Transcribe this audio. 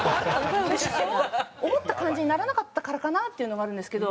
思った感じにならなかったからかなっていうのもあるんですけど。